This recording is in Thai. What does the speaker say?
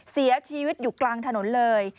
เสียชีวิตอยู่กลางถนนเลย